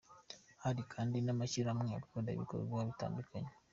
Hari kandi n’amashyirahamwe akora ibikorwa bitandukanye.